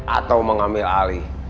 atau mengambil alih